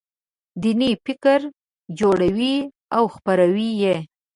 دیني فکر جوړوي او خپروي یې.